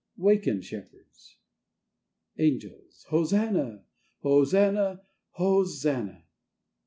WAKEN, SHEPHERDS!(Angels)Hosanna! Hosanna! Hosanna!